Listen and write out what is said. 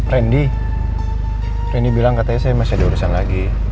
rendy rendy bilang katanya saya masih diurusan lagi